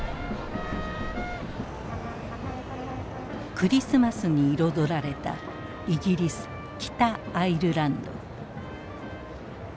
クリスマスに彩られたイギリス北アイルランド。